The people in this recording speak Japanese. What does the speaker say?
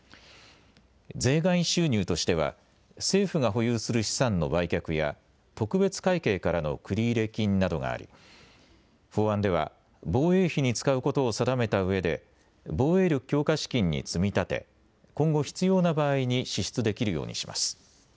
税外収入としては政府が保有する資産の売却や特別会計からの繰入金などがあり法案では防衛費に使うことを定めたうえで防衛力強化資金に積み立て今後、必要な場合に支出できるようにします。